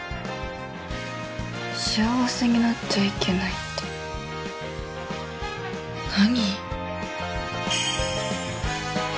幸せになっちゃいけないって何？